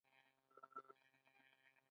بحث کول پوهه زیاتوي؟